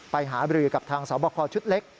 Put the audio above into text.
ไปหาบรือกับทางสอบคอชุดเล็ก